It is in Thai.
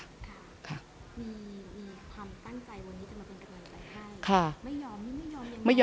ไม่ยอมยังไง